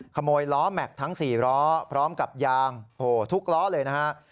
ขโมยล้อแม็กซ์ทั้ง๔ล้อพร้อมกับยางทุกล้อเลยนะฮะ